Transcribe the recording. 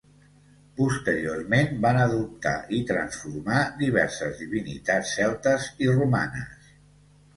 Posteriorment van adoptar i transformar diverses divinitats celtes i romanes.